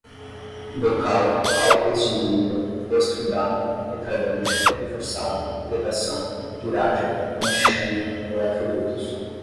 bocal, autoextinguível, extrudado, retardante, reforçado, vedação, viragem, antichama, eletrodutos